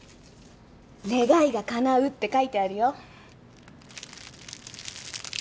「願いが叶う」って書いてあるよ。